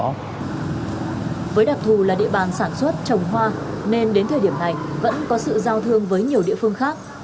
với đặc thù là địa bàn sản xuất trồng hoa nên đến thời điểm này vẫn có sự giao thương với nhiều địa phương khác